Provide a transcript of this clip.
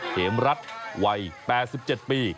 เหมรัฐวัย๘๗ปี